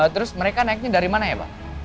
terus mereka naiknya dari mana ya pak